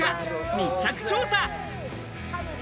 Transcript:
密着調査。